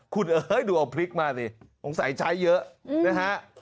คุณเอ๋ยดูเอาพริกมาสิสงสัยใช้เยอะนะฮะ